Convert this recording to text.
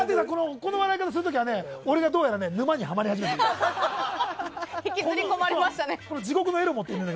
この笑い方する時は俺がどうやら沼にハマり始めている時だよ。